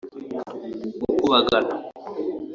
gukubagana